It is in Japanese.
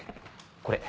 これ。